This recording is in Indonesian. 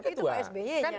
tapi itu pak sby ya